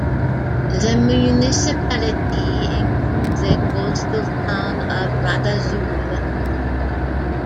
The municipality includes the coastal town Radazul.